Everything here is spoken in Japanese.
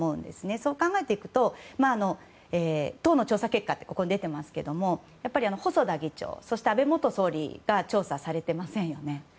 そう考えていくと党の調査結果ってここに出ていますが細田議長、安倍元総理が調査されていませんよね。